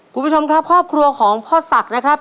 คุณผู้ชมครับครอบครัวของพ่อศักดิ์นะครับ